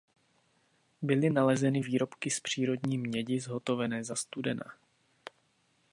Byly nalezeny výrobky z přírodní mědi zhotovené za studena.